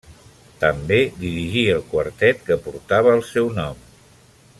També dirigí el quartet que portava el seu nom.